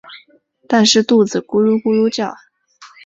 但是肚子咕噜咕噜叫